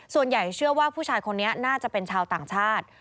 ส่วนใหญ่เชื่อว่าผู้ชายคนนี้น่าจะเป็นชาวต่างชาติ